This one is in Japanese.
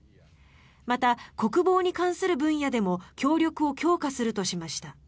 また、国防に関する分野でも協力を強化するとしました。